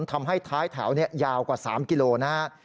ทำให้ท้ายแถวนี้ยาวกว่า๓กิโลเมตรนะฮะ